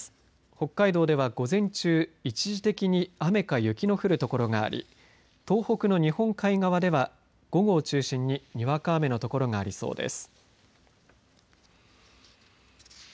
北海道では午前中一時的に雨か雪の降る所があり東北の日本海側では午後を中心ににわか雨の所がありそうです。